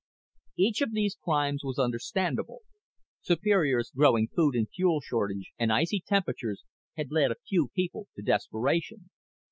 Each of these crimes was understandable Superior's growing food and fuel shortage and icy temperatures had led a few people to desperation.